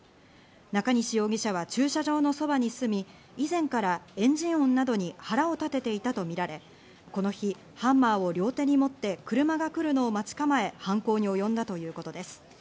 中西容疑者は駐車場のそばに住み、以前からエンジン音などに腹を立てていたとみられ、この日、ハンマーを両手に持って、車が来るのを待ち構え、犯行に及んだということです。